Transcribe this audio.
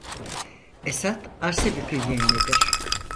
Esat Arsebük'ün yeğenidir.